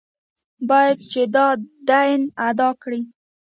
باید چې دا دین ادا کړي.